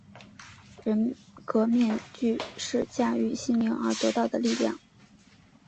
人格面具是驾驭心灵而得到的力量。